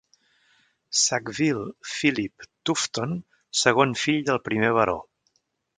Sackville Philip Tufton, segon fill del primer Baró.